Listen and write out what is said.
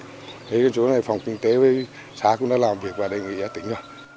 thế cái chỗ này phòng kinh tế với xã cũng đã làm việc và đề nghị với tỉnh rồi